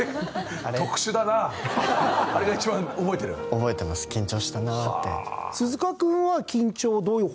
覚えてます緊張したなって。